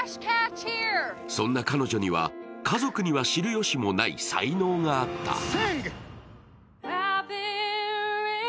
そんな彼女には、家族には知るよしもない才能があった。